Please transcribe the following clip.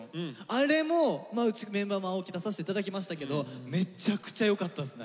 あれもうちのメンバーの青木出させていただきましたけどめちゃくちゃよかったっすね。